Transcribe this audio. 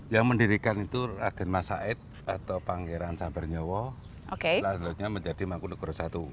yang mendirikan itu raden masaid atau pangeran sabernyawa lalu menjadi mangkunagara i